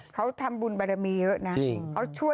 เขาทำบุญบารมีเยอะนะ